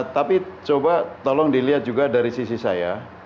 tapi coba tolong dilihat juga dari sisi saya